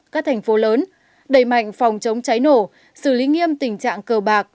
các thành phố lớn đẩy mạnh phòng chống cháy nổ xử lý nghiêm tình trạng cờ bạc